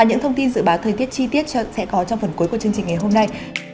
những thông tin dự báo thời tiết chi tiết sẽ có trong phần cuối của chương trình ngày hôm nay